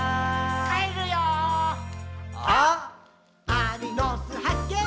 アリの巣はっけん